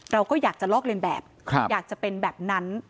เราก็อยากจะลอกเลียนแบบอยากจะเป็นแบบนั้น